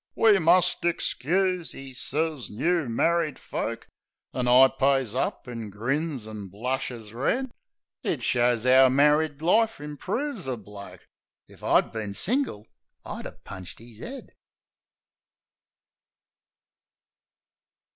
"We must ixcuse," 'e sez, "new married folk." An' I pays up. an' grins, an' blushes red. .. It shows 'ow married life improves a bloke : If I'd bin single I'd 'a' punched 'is 'ead!